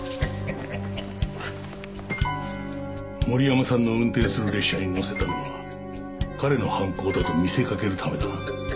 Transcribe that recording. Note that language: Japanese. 森山さんの運転する列車に乗せたのは彼の犯行だと見せかけるためだな？